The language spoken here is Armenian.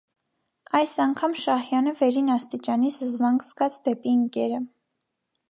Այս անգամ Շահյանը վերին աստիճանի զզվանք զգաց դեպի ընկերը: